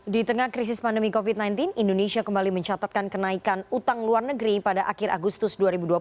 di tengah krisis pandemi covid sembilan belas indonesia kembali mencatatkan kenaikan utang luar negeri pada akhir agustus dua ribu dua puluh